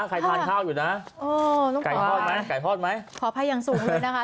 ใครทานข้าวอยู่นะเออต้องขอไข่พร้อมไหมไข่พร้อมไหมขอภัยอย่างสูงเลยนะคะ